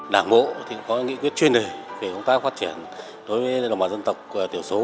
đảng bộ có nghị quyết chuyên đề về công tác phát triển đối với đồng bào dân tộc tiểu số